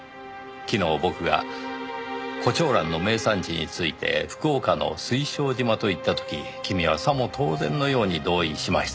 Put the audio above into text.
昨日僕が胡蝶蘭の名産地について福岡の水晶島と言った時君はさも当然のように同意しました。